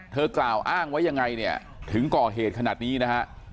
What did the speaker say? กล่าวอ้างไว้ยังไงเนี่ยถึงก่อเหตุขนาดนี้นะฮะ